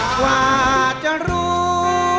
กว่าจะรู้